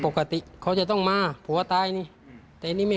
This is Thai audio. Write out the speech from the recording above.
ปกติเขาจะต้องมาผัวตายนี่อืม